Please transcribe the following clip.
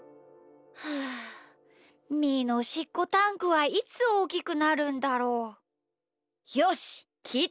はあみーのおしっこタンクはいつおおきくなるんだろう？よしっきいてみよう！